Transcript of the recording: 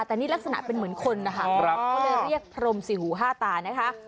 แต่นี่ลักษณะเป็นเหมือนคนนะคะเขาเลยเรียกพรมสี่หูห้าตานะคะ